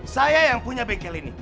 saya yang punya bengkel ini